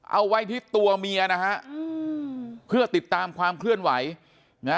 เอาไว้ที่ตัวเมียนะฮะอืมเพื่อติดตามความเคลื่อนไหวนะ